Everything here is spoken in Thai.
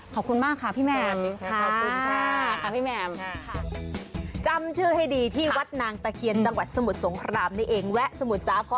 ขอบคุณมากค่ะพี่แหม่ม